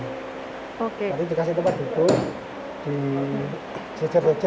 nanti dikasih tempat duduk dijejer jejer itu ya